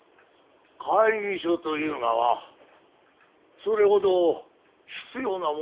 会議所というがはそれほど必要なものながか？